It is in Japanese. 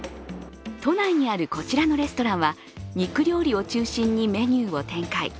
都内にあるこちらのレストランは、肉料理を中心にメニューを展開。